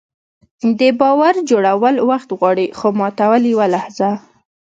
د باور جوړول وخت غواړي، خو ماتول یوه لحظه.